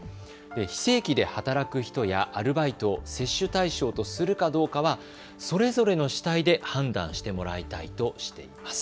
非正規で働く人やアルバイトを接種対象とするかどうかはそれぞれの主体で判断してもらいたいとしています。